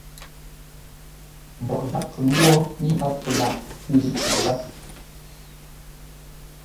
Mboʼ gháp kə lwô, mə́i gháp kə laghʼ ńzʉ́ cûʼ záp.